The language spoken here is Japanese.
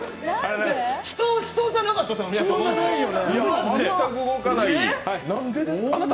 人じゃなかったですよ！